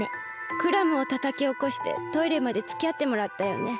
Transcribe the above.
クラムをたたきおこしてトイレまでつきあってもらったよね。